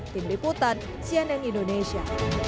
tim diputan cnn indonesia